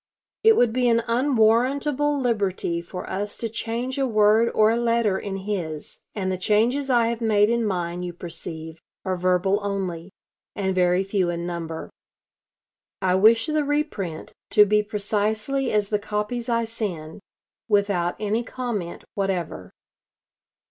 It would be an unwarrantable liberty for us to change a word or a letter in his, and the changes I have made in mine, you perceive, are verbal only, and very few in number. I wish the reprint to be precisely as the copies I send, without any comment whatever."